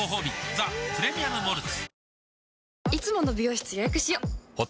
「ザ・プレミアム・モルツ」